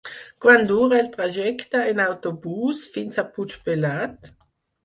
Quant dura el trajecte en autobús fins a Puigpelat?